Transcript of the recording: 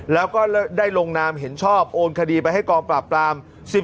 แล้วก็ได้ลงนามเห็นชอบโอนคดีไปให้กองปราบปราม